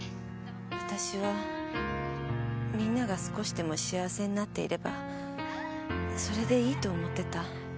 私は皆が少しでも幸せになっていればそれでいいと思ってた。